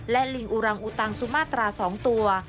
และลิงอุรังอุตังสุมาตรา๒ตัว